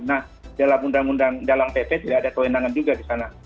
nah dalam undang undang dalam pp tidak ada kewenangan juga di sana